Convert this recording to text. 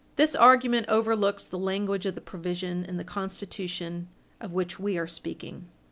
This argument overlooks the language of the provision in the Constitution of which we are speaking.